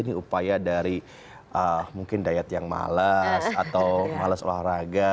ini upaya dari mungkin diet yang males atau males olahraga